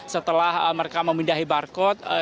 setelah mereka memindahi barcode